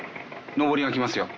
上りが来ますよ。